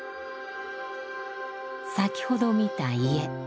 先ほど見た家。